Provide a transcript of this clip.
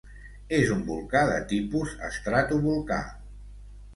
És un volcà de tipus estratovolcà.